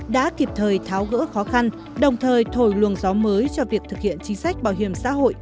đã kịp thời tháo gỡ khó khăn đồng thời thổi luồng gió mới cho việc thực hiện chính sách bảo hiểm xã hội